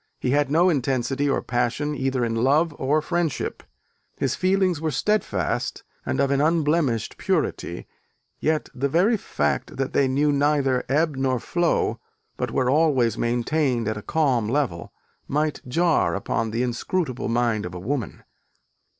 He had no intensity or passion, either in love or friendship: his feelings were steadfast and of an unblemished purity, yet the very fact that they knew neither ebb nor flow, but were always maintained at a calm level, might jar upon the inscrutable mind of a woman.